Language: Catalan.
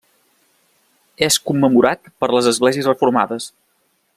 És commemorat per les esglésies reformades.